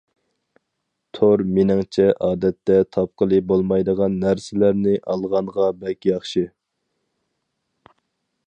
تور مېنىڭچە ئادەتتە تاپقىلى بولمايدىغان نەرسىلەرنى ئالغانغا بەك ياخشى.